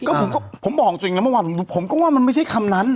ก็ผมบอกจริงเมื่อวันก็ว่ามันไม่ใช่คำนั้น